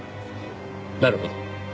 なるほど。